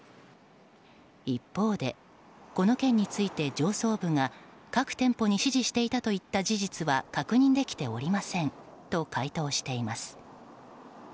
一方で、この件について上層部が各店舗に指示していたといった事実は確認できておりませんと回答しています。